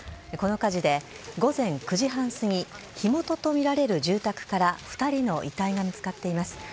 この火事で、午前９時半過ぎ、火元と見られる住宅から２人の遺体が見つかっています。